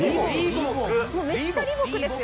めっちゃ李牧ですよね？